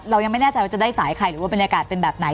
เรายังไม่แน่ใจว่าจะได้สายใครหรือว่าบรรยากาศเป็นแบบไหน